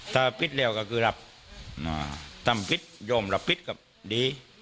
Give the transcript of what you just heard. ถ้าปิดเร็วก็คือรับตมฤทธิ์โยมรับปิดก็ดี